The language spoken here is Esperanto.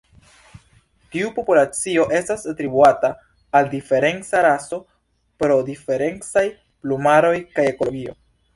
Ĉiu populacio estas atribuata al diferenca raso pro diferencaj plumaroj kaj ekologio.